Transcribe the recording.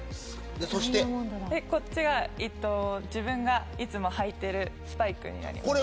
こっちが自分がいつも履いてるスパイクです。